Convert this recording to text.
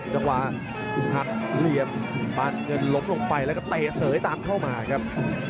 จังหวะสุนหักเหลี่ยมปานเงินล้มลงไปแล้วก็เตะเสยตามเข้ามาครับ